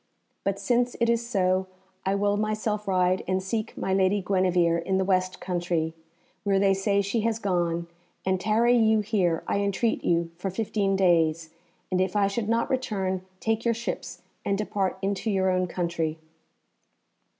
But since it is so, I will myself ride and seek my lady Guenevere in the west country, where they say she has gone, and tarry you here, I entreat you, for fifteen days, and if I should not return take your ships and depart into your own country."